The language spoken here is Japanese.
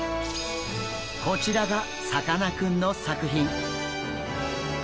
こちらがさかなクンの作品。